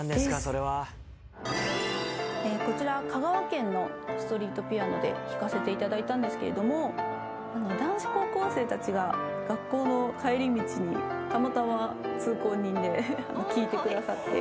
こちら香川県のストリートピアノで弾かせていただいたんですけど男子高校生たちが学校の帰り道にたまたま通行人で聞いてくださって。